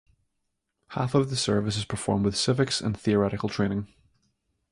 Half of the service is performed with civics and theoretical training.